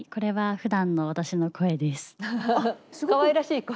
かわいらしい声。